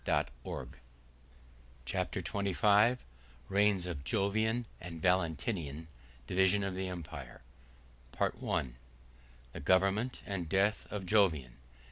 10.] Chapter XXV: Reigns Of Jovian And Valentinian, Division Of The Empire.—Part I. The Government And Death Of Jovian.